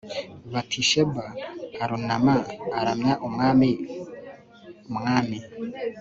Batisheba arunama aramya umwami Umwami